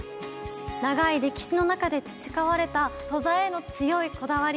長い歴史のなかで培われた素材への強いこだわり。